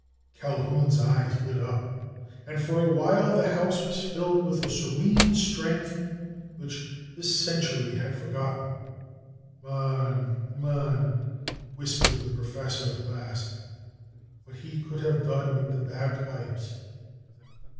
Culquhoun's eyes lit up, and for a while the house was filled with a serene strength which this century had forgotten. "Mon, mon," whispered the professor at last. "What he could have done with the bagpipes!"